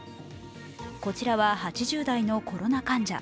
こちらは８０代のコロナ患者。